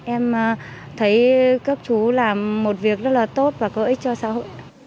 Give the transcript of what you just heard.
em thấy cấp chú làm một việc rất là tốt và có ích cho xã hội